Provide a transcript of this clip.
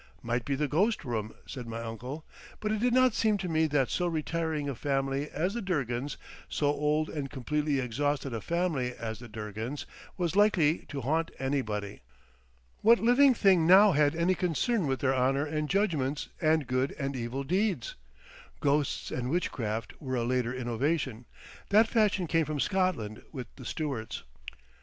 "Might be the ghost room," said my uncle; but it did not seem to me that so retiring a family as the Durgans, so old and completely exhausted a family as the Durgans, was likely to haunt anybody. What living thing now had any concern with their honour and judgments and good and evil deeds? Ghosts and witchcraft were a later innovation—that fashion came from Scotland with the Stuarts.